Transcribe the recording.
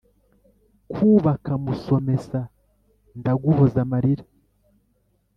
kabaka musomesa ndaguhoza amarira